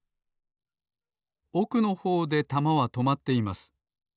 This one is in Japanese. おくのほうでたまはとまっています。